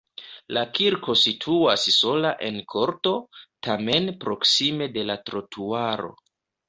La kirko situas sola en korto, tamen proksime de la trotuaro.